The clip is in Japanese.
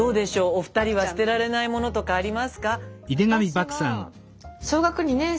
お二人は捨てられないものとかありますか？